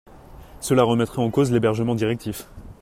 Cela remettrait en cause l’hébergement directif.